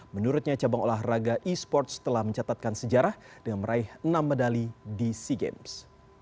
menurutnya cabang olahraga e sports telah mencatatkan sejarah dengan meraih enam medali di sea games